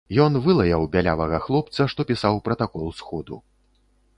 Ён вылаяў бялявага хлопца, што пісаў пратакол сходу.